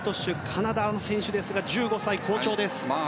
カナダの選手ですが１５歳、好調です。